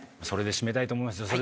それで締めたいと思います。